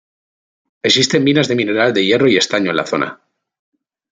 Existen minas de mineral de hierro y estaño en la zona.